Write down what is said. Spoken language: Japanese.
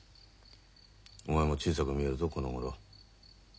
お前も小さく見えるぞこのごろ。